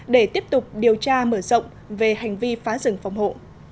để tiếp tục điều tra mở rộng về hành vi phá rừng phòng hộ